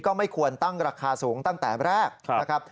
ก็ไม่ควรตั้งราคาสูงตั้งแต่แรก